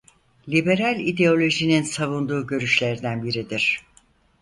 Liberal ideolojinin savunduğu görüşlerden biridir.